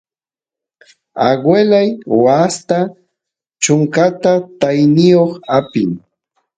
aguelay waasta chunka taayoq apin